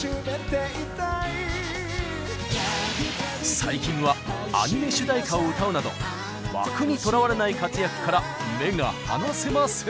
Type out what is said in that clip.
最近はアニメ主題歌を歌うなど枠にとらわれない活躍から目が離せません。